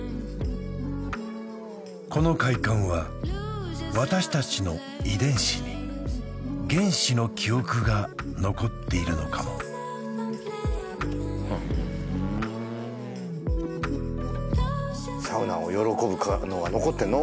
この快感は私たちの遺伝子に原始の記憶が残っているのかもサウナを喜ぶのが残ってんの？